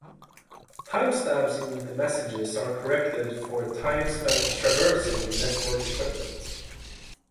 Timestamps in the messages are corrected for time spent traversing the network equipment.